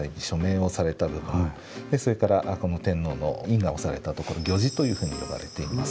それからこの天皇の印が押されたところ御璽というふうに呼ばれています。